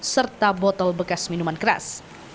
serta botol bekas minuman keras